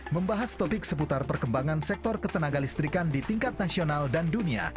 membahas topik seputar perkembangan sektor ketenaga listrikan di tingkat nasional dan dunia